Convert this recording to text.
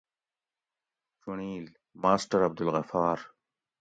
چُنڑیل: ماسٹر عبدالغفار